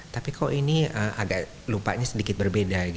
tapi kok ini agak lupanya sedikit berbeda